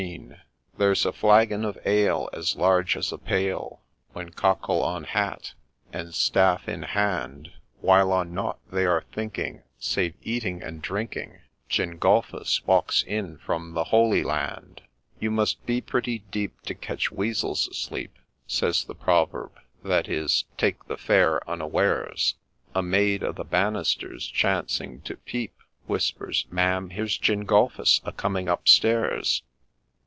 GENGDLPHUS U5 There 's a flagon of ale as large as a pail — When, cockle on hat, and staff in hand, While on nought they are thinking save eating and drinking, Gengulphus walks in from the Holy Land !' You must be pretty deep to catch weazels asleep,' Says the proverb : that is ' take the Fair unawares ;' A maid o'er the banisters chancing to peep, Whispers, ' Ma'am, here 's Gengulphus a coming up stairs.'